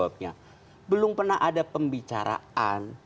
belum pernah ada pembicaraan